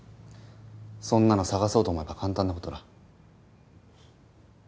そんなの捜そうと思えば簡単な事だ。